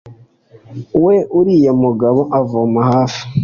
Yewe uriya mugabo avoma hafi